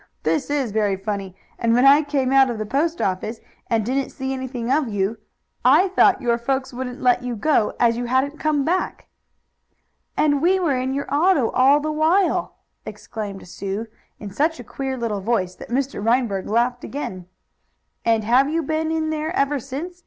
"This is very funny! And when I came out of the post office, and didn't see anything of you, I thought your folks wouldn't let you go, as you hadn't come back." "And we were in your auto all the while!" exclaimed Sue, in such a queer little voice that Mr. Reinberg laughed again. "And have you been in there ever since?"